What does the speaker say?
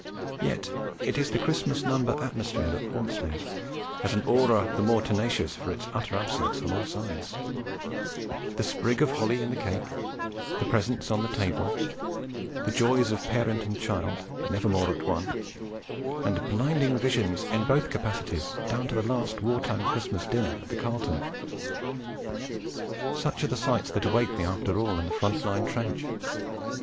Yet it is the Christmas Number atmosphere that haunts me as an aura the more tenacious for its utter absence on all sides: the sprig of holly in the cake, the presents on the table, the joys of parent and child never more at one and blinding visions in both capacities, down to that last war time Christmas dinner at the Carlton ... such are the sights that await me after all in the front line trench!